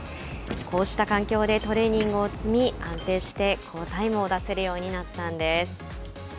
こうした環境でトレーニングを積み安定して好タイムを出せるようになったんです。